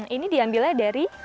ini diambilnya dari